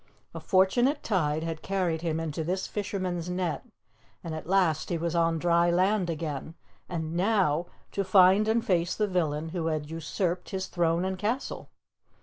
A fortunate tide had carried him into this fisherman's net and at last he was on dry land again; and NOW to find and face the villain who had usurped his throne and castle.